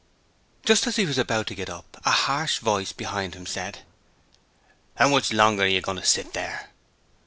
Just as he was about to get up a harsh voice behind him said: 'How much longer are you going to sit there?'